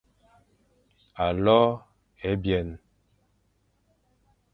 Alo ebyen,